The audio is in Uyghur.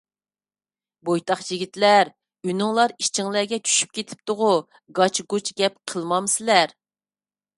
بويتاق يىگىتلەر، ئۈنۈڭلار ئىچىڭلىگە چۈشۈپ كېتپىتىغۇ؟ گاچ-گۇچ گەپ قىلمامسىلەر؟